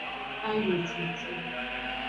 Ayo cucu.